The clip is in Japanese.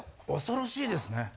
恐ろしいですね。